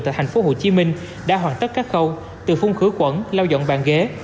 tại tp hcm đã hoàn tất các khâu từ phung khứ quẩn lao dọn bàn ghế